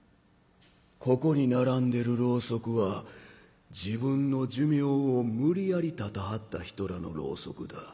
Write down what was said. ここに並んでるろうそくは自分の寿命を無理やり絶たはった人らのろうそくだ。